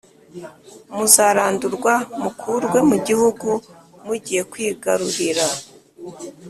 muzarandurwa mukurwe mu gihugu mugiye kwigarurira